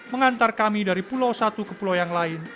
mengantar kami dari pulau satu ke pulau yang lain